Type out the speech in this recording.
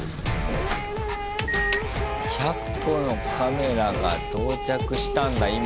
１００個のカメラが到着したんだ今。